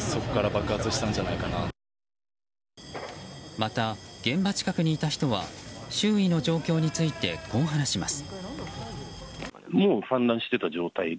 また、現場近くにいた人は周囲の状況についてこう話します。